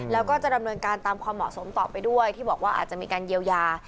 แล้วก็จะดำเนินการตามความเหมาะสมต่อไปด้วยที่บอกว่าอาจจะมีการเยียวยา